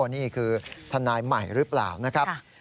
นี่คือทนายใหม่หรือเปล่านะครับ